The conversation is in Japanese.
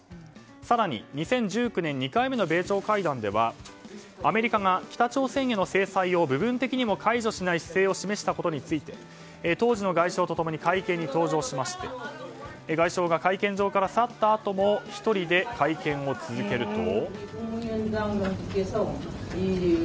更に２０１９年２回目の米朝会談ではアメリカが北朝鮮への制裁を部分的にも解除しない姿勢を示したことについて当時の外相とともに会見に登場しまして外相が会見場から去ったあとも１人で会見を続けると。